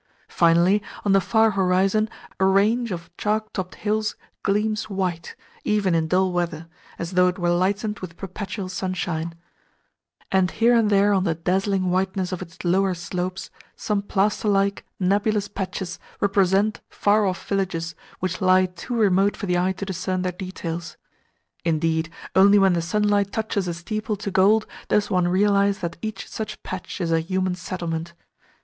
Finally, on the far horizon a range of chalk topped hills gleams white, even in dull weather, as though it were lightened with perpetual sunshine; and here and there on the dazzling whiteness of its lower slopes some plaster like, nebulous patches represent far off villages which lie too remote for the eye to discern their details. Indeed, only when the sunlight touches a steeple to gold does one realise that each such patch is a human settlement.